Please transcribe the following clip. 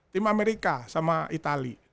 tim amerika sama itali